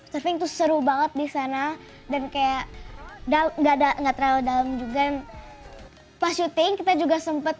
surfing tuh seru banget di sana dan kayak nggak ada enggak terlalu dalam juga pas syuting kita juga sempat